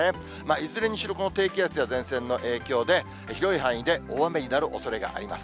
いずれにしろ、この低気圧や前線の影響で、広い範囲で大雨になるおそれがあります。